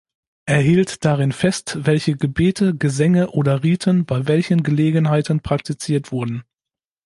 Er hielt darin fest, welche Gebete, Gesänge oder Riten bei welchen Gelegenheiten praktiziert wurden.